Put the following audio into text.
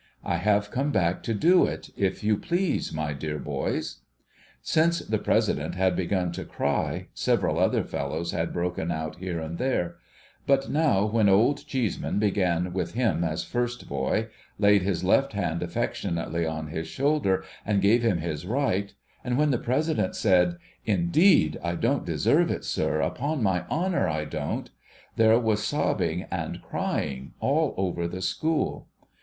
I have come back to do it, if you please, my dear boys.' Since the President had begun to cry, several other fellows had broken out here and there : but now, when Old Cheeseman began with him as first boy, laid his left hand affectionately on his shoulder and gave him his right ; and when the President said ' Indeed, I don't deserve it, sir ; upon my honour I don't ;' there was sobbing and crying all over the school.